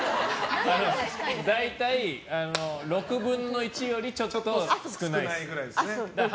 大体６分の１よりちょっと少ないです。